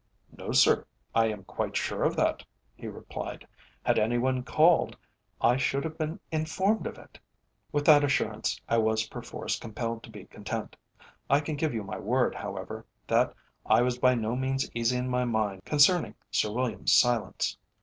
"No, sir, I am quite sure of that," he replied; "had any one called I should have been informed of it." With that assurance I was perforce compelled to be content. I can give you my word, however, that I was by no means easy in my mind concerning Sir William's silence.